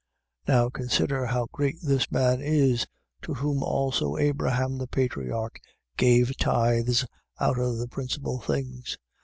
7:4. Now consider how great this man is, to whom also Abraham the patriarch gave tithes out of the principal things.